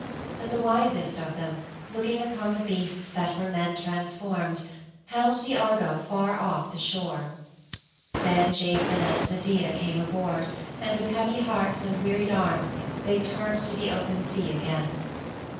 But the wisest of them, looking upon the beasts that were men transformed, held the Argo far off the shore. Then Jason and Medea came aboard, and with heavy hearts and wearied arms they turned to the open sea again.